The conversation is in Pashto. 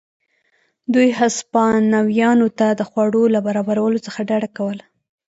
دوی هسپانویانو ته د خوړو له برابرولو څخه ډډه کوله.